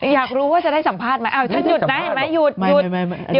อยากรู้ว่าจะได้สัมภาษณ์ไหมอ้าวท่านหยุดนะหยุดหยุด